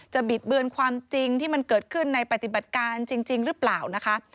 บิดเบือนความจริงที่มันเกิดขึ้นในปฏิบัติการจริงหรือเปล่านะคะ